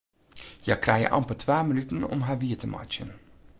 Hja krije amper twa minuten om har wier te meitsjen.